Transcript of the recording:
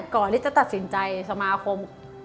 ก่อนที่จะตัดสินใจสมาคม